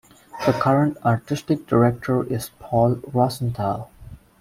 The current Artistic Director is Paul Rosenthal.